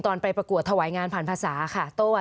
ไปประกวดถวายงานผ่านภาษาค่ะ